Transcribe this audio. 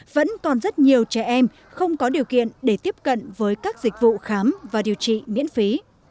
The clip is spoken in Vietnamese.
vẫn còn rất nhiều trẻ em không có điều kiện để tiếp cận với các dịch vụ khám và điều trị miễn phí